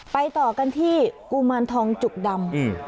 ไปต่อกันที่กุมาลทองจุกดำอืม